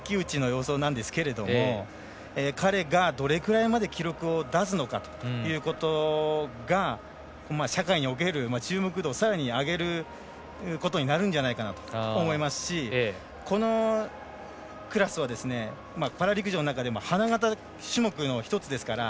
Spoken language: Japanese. イギリスの選手とこの種目は一騎打ちの様相なんですけれども彼がどれぐらいまで記録を出すのかというのが社会における注目度をさらに上げることになるんじゃないかと思いますしこのクラスはパラ陸上の中でも花形種目の１つですから。